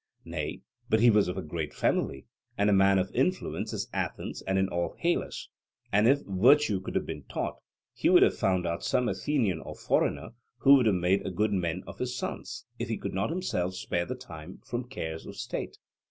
Nay, but he was of a great family, and a man of influence at Athens and in all Hellas, and, if virtue could have been taught, he would have found out some Athenian or foreigner who would have made good men of his sons, if he could not himself spare the time from cares of state.